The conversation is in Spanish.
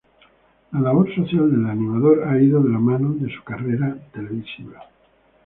La labor social del animador ha ido de la mano de su carrera televisiva.